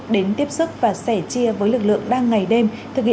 đến tiếp xúc và sẻ chia với lực lượng đang ngày đêm